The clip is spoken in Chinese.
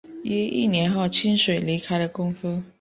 约一年后清水离开了公司。